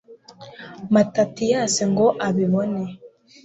matatiyasi ngo abibone